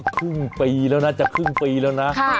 ครึ่งปีแล้วนะจะครึ่งปีแล้วนะ